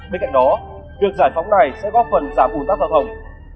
bên cạnh đó việc giải phóng này sẽ góp phần giảm ủn tắc giao thông